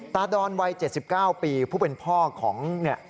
ดอนวัย๗๙ปีผู้เป็นพ่อของเนี่ย